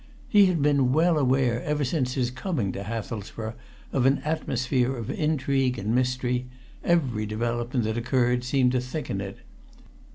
He had been well aware ever since his coming to Hathelsborough of an atmosphere of intrigue and mystery; every development that occurred seemed to thicken it.